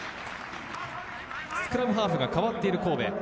スクラムハーフが変わっている神戸。